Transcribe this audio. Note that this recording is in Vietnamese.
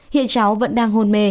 hiện cháu vẫn đang hôn mê